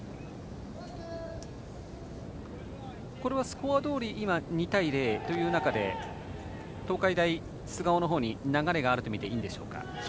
これは、スコアどおり２対０という中で東海大菅生のほうに流れがあるとみていいんでしょうか。